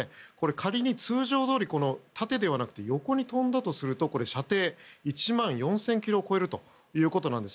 仮に、通常どおり縦ではなくて横に飛んだとしますと射程は１万４０００ｋｍを超えるということです。